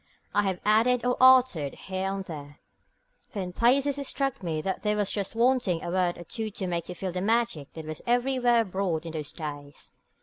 I have added or altered here and there, for in places it struck me that there was just wanting a word or two to make you feel the magic that was everywhere abroad in those days.